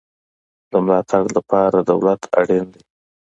د ملاتړ لپاره دولت اړین دی